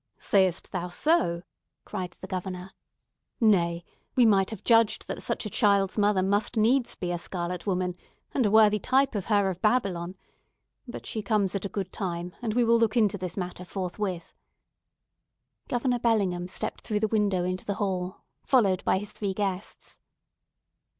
"Sayest thou so?" cried the Governor. "Nay, we might have judged that such a child's mother must needs be a scarlet woman, and a worthy type of her of Babylon! But she comes at a good time, and we will look into this matter forthwith." Governor Bellingham stepped through the window into the hall, followed by his three guests.